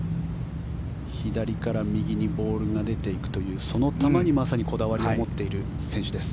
左から右にボールが出ていくというその球に、まさにこだわりを持っている選手です。